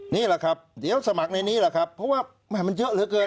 นี่แหละครับเดี๋ยวสมัครในนี้แหละครับเพราะว่ามันเยอะเหลือเกิน